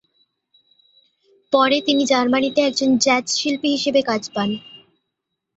পরে তিনি জার্মানিতে একজন জ্যাজ শিল্পী হিসেবে কাজ পান।